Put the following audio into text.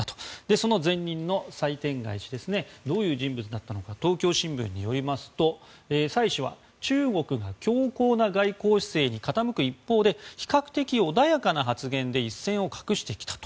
その前任のサイ・テンガイ氏はどういう人物だったのか東京新聞によりますと、サイ氏は中国の強硬な外交姿勢に傾く一方で比較的穏やかな発言で一線を画してきたと。